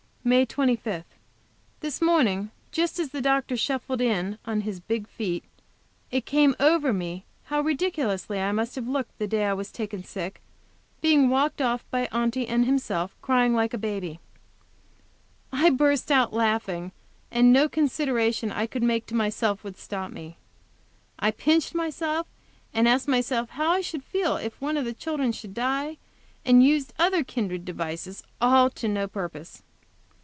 MAY 25. This morning, just as the doctor shuffled in on his big feet, it came over me how ridiculously I must have looked the day I was taken sick, being walked off between Aunty and himself, crying like a baby. I burst out laughing, and no consideration I could make to myself would stop me. I pinched myself, asked myself how I should feel if one of the children should die, and used other kindred devices all to no purpose.